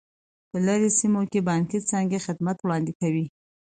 په لیرې سیمو کې بانکي څانګې خدمات وړاندې کوي.